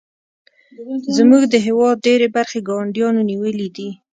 زموږ د هیواد ډیرې برخې ګاونډیانو نیولې دي